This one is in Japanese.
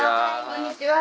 こんにちは。